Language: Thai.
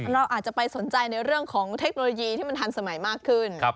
เราอาจจะไปสนใจในเรื่องของเทคโนโลยีที่มันทันสมัยมากขึ้น